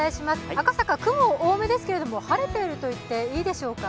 赤坂、雲多めですけども、晴れているといっていいでしょうか？